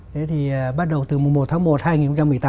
thế thì bắt đầu từ mùa một tháng một hai nghìn một mươi tám